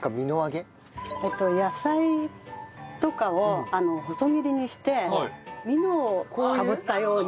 野菜とかを細切りにして蓑をかぶったようにええ。